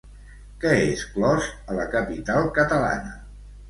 Què és clos a la capital catalana?